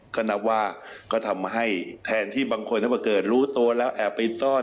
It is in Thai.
ก็นับว่าก็ทำให้แทนที่บางคนถ้าเกิดรู้ตัวแล้วแอบไปซ่อน